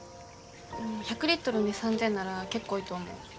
１００リットルに３，０００なら結構いいと思う。